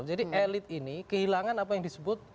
jadi elit ini kehilangan apa yang disebut